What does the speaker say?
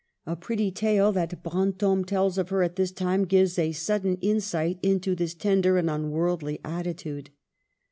A pretty tale that Brantome tells of her at this time gives a sudden insight into this tender and unworldly attitude.